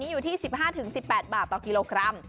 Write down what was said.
อยู่ที่๑๕๑๘บาทต่อกิโลกรัม